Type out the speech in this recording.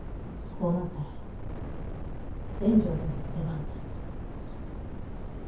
こうなったら全成殿の出番ね。